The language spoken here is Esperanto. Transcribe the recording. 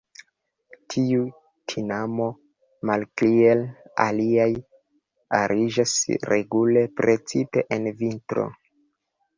Tiu tinamo, malkiel aliaj, ariĝas regule, precipe en vintro.